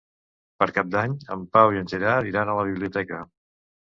Per Cap d'Any en Pau i en Gerard iran a la biblioteca.